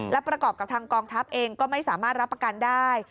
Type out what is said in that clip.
และประกอบกับทางกองทัพเองก็ไม่สามารถรับประกันได้